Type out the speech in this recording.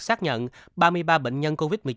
xác nhận ba mươi ba bệnh nhân covid một mươi chín